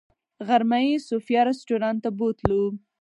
غرمه یې صوفیا رسټورانټ ته بوتلو.